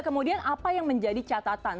kemudian apa yang menjadi catatan